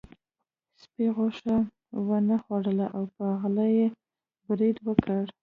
سپي غوښه ونه خوړله او په غل یې برید وکړ.